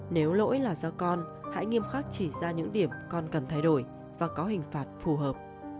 nếu lỗi là do con hãy nghiêm khắc chỉ ra những điểm con cần thay đổi và có hình phạt phù hợp